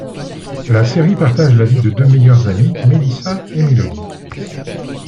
La série partage la vie de deux meilleures amies Mélissa et Mélody.